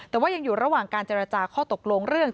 แต่ว่ายังอยู่ระหว่างการเจรจาข้อตกลงเรื่อง